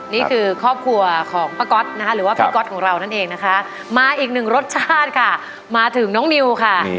นี่คือครอบครัวของป้าก๊อตนะคะหรือว่าพี่ก๊อตของเรานั่นเองนะคะมาอีกหนึ่งรสชาติค่ะมาถึงน้องนิวค่ะ